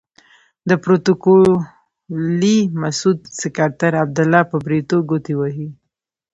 د پروتوکولي مسعود سکرتر عبدالله په بریتو ګوتې وهي.